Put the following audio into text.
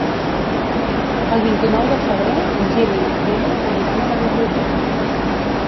El vint-i-nou de febrer en Gil i na Frida aniran a la biblioteca.